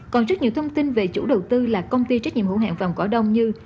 còn rất nhiều thông tin về chủ đầu tư là công ty trách nhiệm hữu hạng vòng cỏ đông như